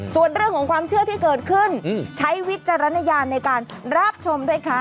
ส่วนเรื่องของความเชื่อที่เกิดขึ้นใช้วิจารณญาณในการรับชมด้วยค่ะ